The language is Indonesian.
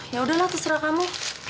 yaudah lah terserah kamu